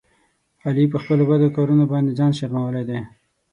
علي په خپلو بدو کارونو باندې ځان شرمولی دی.